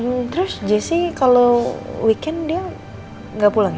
eee terus jessy kalau weekend dia gak pulang ya